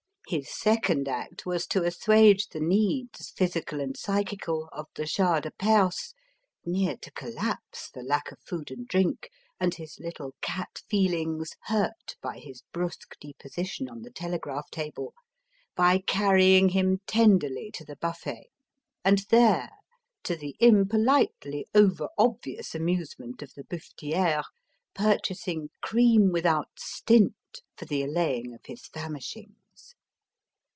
His second act was to assuage the needs, physical and psychical, of the Shah de Perse near to collapse for lack of food and drink, and his little cat feelings hurt by his brusque deposition on the telegraph table by carrying him tenderly to the buffet; and there to the impolitely over obvious amusement of the buffetière purchasing cream without stint for the allaying of his famishings.